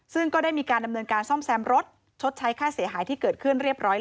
ซึ่งก็ได้มีการดำเนินการซ่อมแซมรถชดใช้ค่าเสียหายที่เกิดขึ้นเรียบร้อย